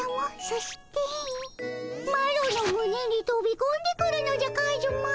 そしてマロのむねにとびこんでくるのじゃカズマ。